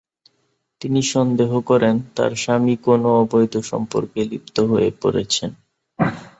তিনি সন্দেহ করেন, তার স্বামী কোনও অবৈধ সম্পর্কে লিপ্ত হয়ে পড়েছেন।